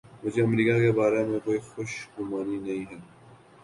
مجھے امریکہ کے بارے میں کوئی خوش گمانی نہیں ہے۔